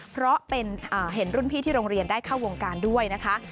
เพราะเห็นรุ่นพี่ที่โรงเรียนได้เข้าวงการด้วยนะคะ